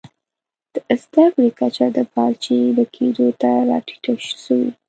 د زده کړي کچه د پارچې ډکېدو ته راټیټه سوې.